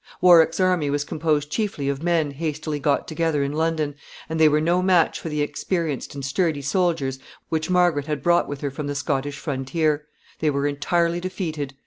Warwick's army was composed chiefly of men hastily got together in London, and they were no match for the experienced and sturdy soldiers which Margaret had brought with her from the Scottish frontier. They were entirely defeated.